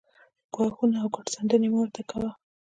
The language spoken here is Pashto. ګواښونه او ګوت څنډنې مه ورته کاوه